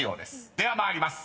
［では参ります。